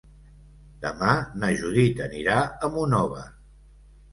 Demà na Judit anirà a Monòver.